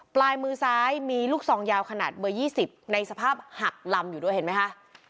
ปลายมือซ้ายมีลูกซองยาวขนาดเบอร์๒๐ในสภาพหักลำอยู่ด้วยเห็นไหมคะ